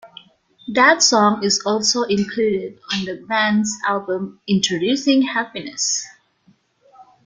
That song is also included on the band's album "Introducing Happiness".